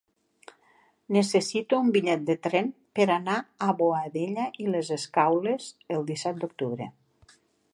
Necessito un bitllet de tren per anar a Boadella i les Escaules el disset d'octubre.